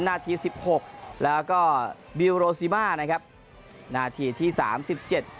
นาทีสิบหกแล้วก็บิลโรซิมานะครับนาทีที่สามสิบเจ็ด